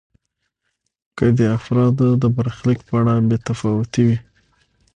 که د افرادو د برخلیک په اړه بې تفاوت وي.